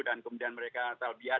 dan kemudian mereka terbiar